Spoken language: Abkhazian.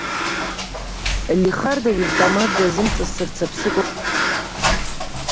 Лихардов иавтомат дазымҵасырц аԥсык ауп иааигхаз.